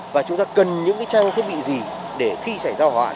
và chúng ta cần những trang thiết bị gì để khi xảy ra hỏa hoạn